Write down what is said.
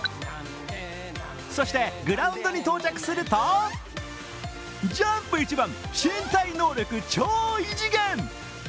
そして、グラウンドに到着するとジャンプ一番身体能力超異次元！